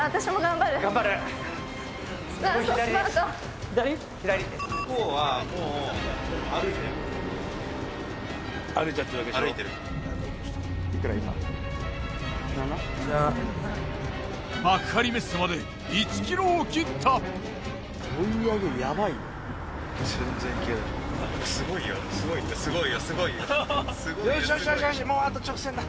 もうあと直線だ。